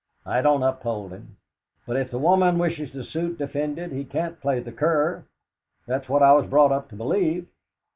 I don't uphold him; but if the woman wishes the suit defended he can't play the cur that's what I was brought up to believe."